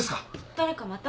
誰かまた？